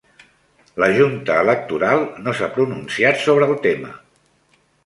La junta electoral no s'ha pronunciat sobre el tema